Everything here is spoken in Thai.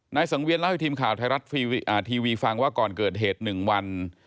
สังเวียนเล่าให้ทีมข่าวไทยรัฐทีวีฟังว่าก่อนเกิดเหตุ๑วัน